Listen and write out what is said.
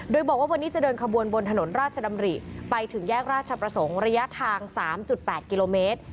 โดยบอกว่าวันนี้จะเดินขบวนบนถนนราชดำริไปถึงแยกราชประสงค์ระยะทาง๓๘กิโลเมตร